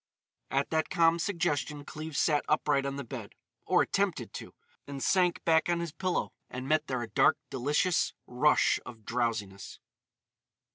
At that calm suggestion Cleves sat upright on the bed,—or attempted to. But sank back gently on his pillow and met there a dark, delicious rush of drowsiness.